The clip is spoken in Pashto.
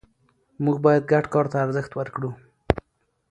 موږ باید ګډ کار ته ارزښت ورکړو